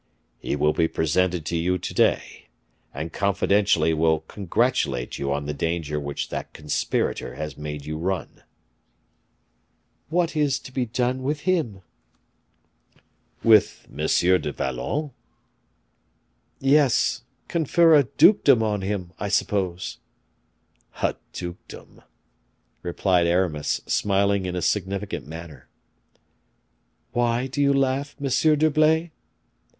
"He will be presented to you to day, and confidentially will congratulate you on the danger which that conspirator has made you run." "What is to be done with him?" "With M. du Vallon?" "Yes; confer a dukedom on him, I suppose." "A dukedom," replied Aramis, smiling in a significant manner. "Why do you laugh, Monsieur d'Herblay?"